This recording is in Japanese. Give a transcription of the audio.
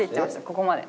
ここまで。